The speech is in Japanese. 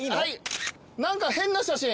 何か変な写真。